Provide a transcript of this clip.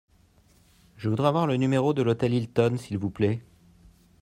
Je voudrais avoir le numéro de l'hôtel Hilton, s'il vous plait.